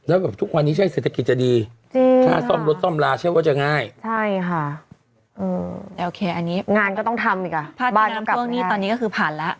อืมแต่โอเคอันนี้งานก็ต้องทำอีกอ่ะผ้าที่น้ำพวกนี้ตอนนี้ก็คือผ่านแล้ว